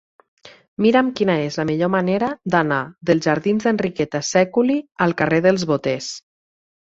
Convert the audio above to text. Mira'm quina és la millor manera d'anar dels jardins d'Enriqueta Sèculi al carrer dels Boters.